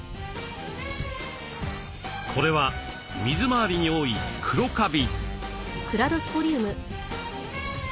これは水回りに多いクロカビ。